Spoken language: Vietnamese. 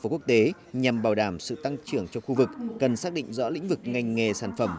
quốc tế nhằm bảo đảm sự tăng trưởng cho khu vực cần xác định rõ lĩnh vực ngành nghề sản phẩm